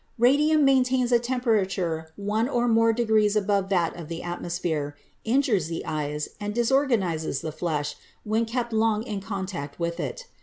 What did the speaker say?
Radium maintains a temperature one or more degrees above that of the atmosphere, injures the eyes, and dis organizes the flesh when kept long in contact with it.